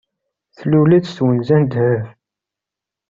Tlul-d s twenza n ddheb.